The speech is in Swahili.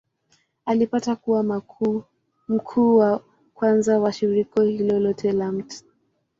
Alipata kuwa mkuu wa kwanza wa shirika hilo lote la Mt.